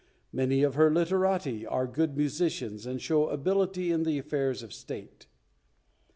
Many of her literati are good musicians, and show ability in the affairs of State.